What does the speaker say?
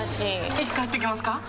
いつ帰ってきますか？